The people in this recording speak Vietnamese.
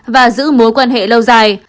và giữ mối quan hệ lâu dài